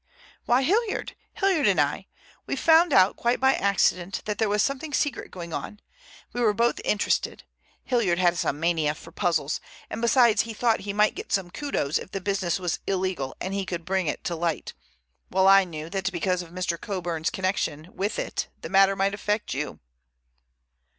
"Why, Hilliard; Hilliard and I. We found out quite by accident that there was something secret going on. We were both interested; Hilliard has a mania for puzzles, and besides he thought he might get some kudos if the business was illegal and he could bring it to light, while I knew that because of Mr. Coburn's connection with it the matter might affect you."